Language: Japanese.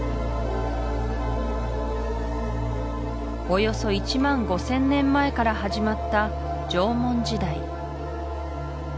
およそ１５０００年前から始まった縄文時代